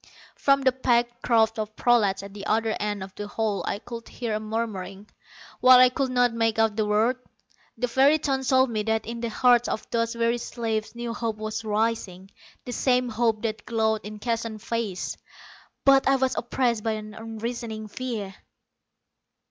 From the packed crowd of prolats at the other end of the hall I could hear a murmuring. While I could not make out the words, the very tones told me that in the hearts of those weary slaves new hope was rising, the same hope that glowed in Keston's face. But I was oppressed by an unreasoning fear.